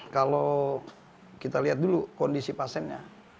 kalau kita lihat dulu kondisi pasiennya